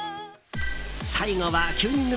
最後は９人組